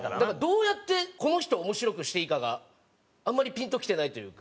どうやってこの人を面白くしていいかがあんまりピンときてないというか。